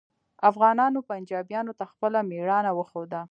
افغانانو پنجابیانو ته خپله میړانه وښوده